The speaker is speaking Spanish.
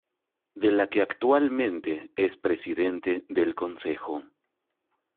De la que actualmente es Presidente del Consejo.